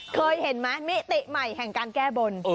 เคยเห็นไหมมิติใหม่แห่งการแก้บน